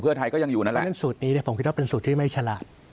เพื่อไทยก็ยังอยู่นั่นแหละนั่นสูตรนี้ผมคิดว่าเป็นสูตรที่ไม่ฉลาด